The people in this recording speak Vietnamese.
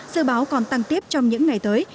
sự báo còn tăng tiếp trong những ngày tới